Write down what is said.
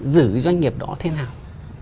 giữ doanh nghiệp đó thế nào